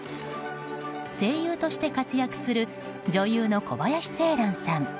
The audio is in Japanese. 声優として活躍する女優の小林星蘭さん